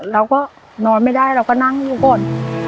เราก็นอนไม่ได้เราก็นั่งอยู่ก่อน